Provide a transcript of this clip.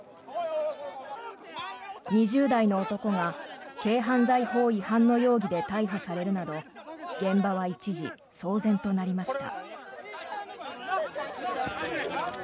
２０代の男が軽犯罪法違反の容疑で逮捕されるなど現場は一時、騒然となりました。